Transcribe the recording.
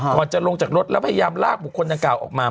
จะลงจากรถแล้วพยายามลากบุคคลดังกล่าวออกมา